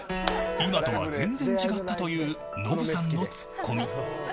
今とは全然違ったというノブさんのツッコミ。